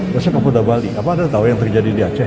misalnya kapoda bali apa anda tahu yang terjadi di aceh